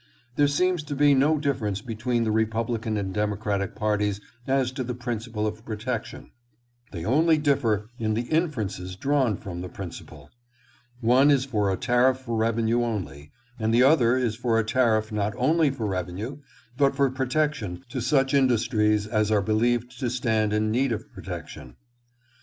There seems to be no difference between the Republican and Democratic parties as to the principle of protection. They only differ in the inferences drawn from the principle. One is for a tariff for revenue only, and the other is for a tariff not only for revenue, but for protection to such industries as are believed to stand in need of protection.